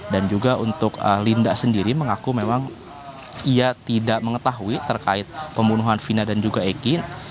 dan juga untuk linda sendiri mengaku memang ia tidak mengetahui terkait pembunuhan fina dan juga eki